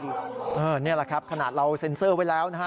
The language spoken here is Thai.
นี่แหละครับขนาดเราเซ็นเซอร์ไว้แล้วนะฮะ